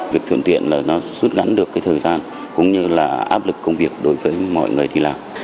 việc thưởng tiện nó suốt gắn được thời gian cũng như áp lực công việc đối với mọi người đi làm